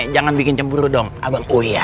jangan bikin cemburu dong abang oya